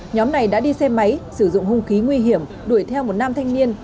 nhóm này đã đi xe máy sử dụng hung khí nguy hiểm đuổi theo một nam thanh niên